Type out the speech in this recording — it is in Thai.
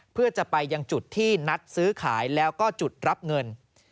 เพื่อจะไปยังจุดที่นัดซื้อขายแล้วก็จุดรับเงิน